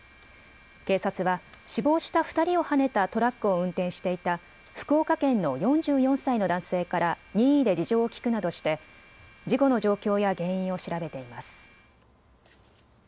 警察は死亡した２人をはねたトラックを運転していた福岡県の４４歳の男性から任意で事情を聴くなどして事故の状況や原因を調べています。